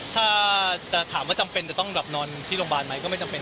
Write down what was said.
ถ้าถามว่าจำเป็นต้องรับนอนที่โรงพยาบาลไม่จำเป็น